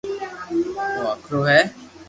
او ھڪرو ھي